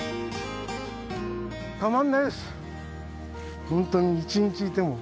たまんないです。